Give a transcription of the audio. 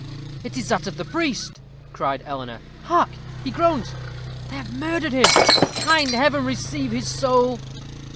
"It is that of the priest," cried Eleanor. "Hark! he groans. They have murdered him! Kind Heaven, receive his soul!"